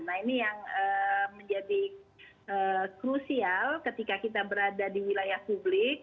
nah ini yang menjadi krusial ketika kita berada di wilayah publik